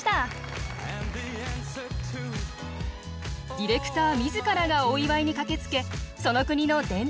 ディレクター自らがお祝いに駆けつけその国の伝統や文化を味わいます。